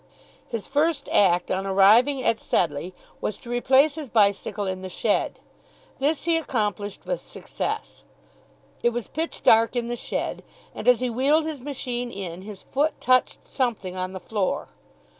His first act on arriving at Sedleigh was to replace his bicycle in the shed. This he accomplished with success. It was pitch dark in the shed, and as he wheeled his machine in, his foot touched something on the floor.